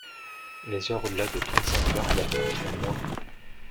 Les heures au-delà de trente-cinq heures leur coûteraient moins.